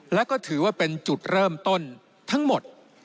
และก็ถือว่าเป็นจุดเริ่มต้นทั้งหมด